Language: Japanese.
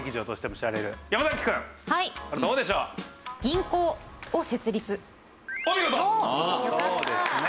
そうですね。